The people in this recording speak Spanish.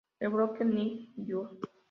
El bloque Nick Jr.